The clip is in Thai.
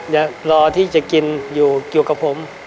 อยากรอที่จะกินอยู่กับผม